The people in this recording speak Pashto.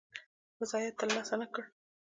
رضاییت تر لاسه نه کړ.